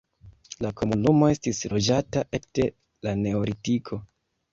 La komunumo estis loĝata ekde la neolitiko.